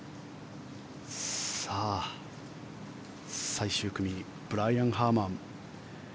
最終組にブライアン・ハーマン。